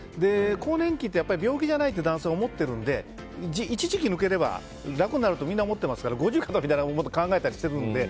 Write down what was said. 更年期って病気じゃないって男性は思っているので一時期を抜ければ楽になるとみんな思ってますから５０になったら楽になると考えたりしているので。